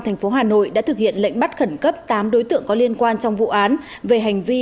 thành phố hà nội đã thực hiện lệnh bắt khẩn cấp tám đối tượng có liên quan trong vụ án về hành vi